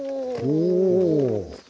おお。